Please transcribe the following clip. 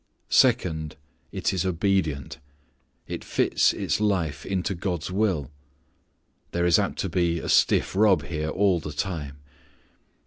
Second, it is obedient. It fits its life into God's will. There is apt to be a stiff rub here all the time.